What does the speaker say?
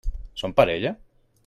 Són parella?